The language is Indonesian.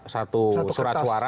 satu surat suara